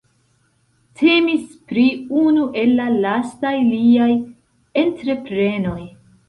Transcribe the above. Temis pri unu el la lastaj liaj entreprenoj.